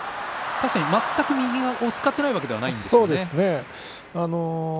確かに全く右を使っていないわけそうですね。